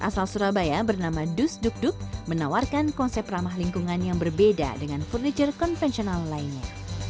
surabaya bernama dusdukduk menawarkan konsep ramah lingkungan yang berbeda dengan furniture konvensional lainnya